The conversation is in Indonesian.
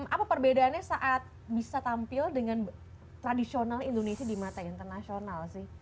apa perbedaannya saat bisa tampil dengan tradisional indonesia di mata internasional sih